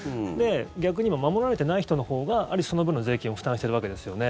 逆に今、守られてない人のほうがある種、その分の税金を負担しているわけですよね。